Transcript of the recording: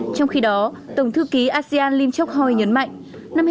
trong khi đó tổng thư ký asean lim chok hoi nhấn mạnh